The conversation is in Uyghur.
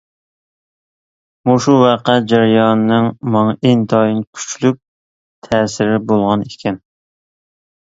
مۇشۇ ۋەقە جەريانىنىڭ ماڭا ئىنتايىن كۈچلۈك تەسىرى بولغان ئىكەن.